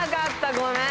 ごめん！